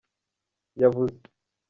yavuze.